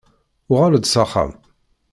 Uɣal-d s axxam.